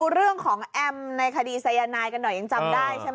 เรื่องของแอมในคดีสายนายกันหน่อยยังจำได้ใช่ไหม